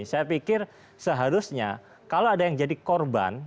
saya pikir seharusnya kalau ada yang jadi korban